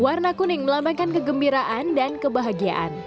warna kuning melambangkan kegembiraan dan kebahagiaan